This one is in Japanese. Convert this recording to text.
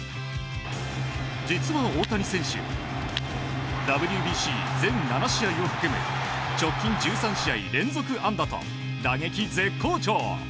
実は、大谷選手ＷＢＣ全７試合を含む直近１３試合連続安打と打撃絶好調！